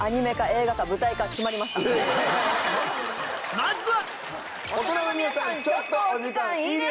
まずは！